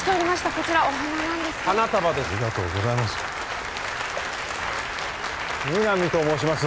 こちらお花なんですけど花束ですありがとうございます皆実と申します